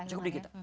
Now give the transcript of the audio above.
cukup di kita